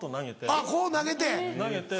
あぁこう投げて。